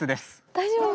大丈夫？